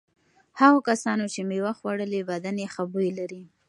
هغو کسانو چې مېوه خوړلي بدن یې ښه بوی لري.